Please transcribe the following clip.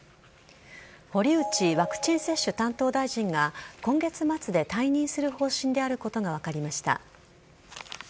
堀内ワクチン接種担当大臣が今月末で退任する方針であることが分かりました。